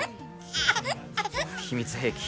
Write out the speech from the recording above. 秘密兵器。